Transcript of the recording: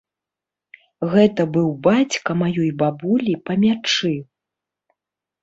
Гэта быў бацька маёй бабулі па мячы.